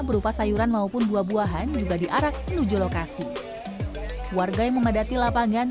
berupa sayuran maupun buah buahan juga diarak menuju lokasi warga yang memadati lapangan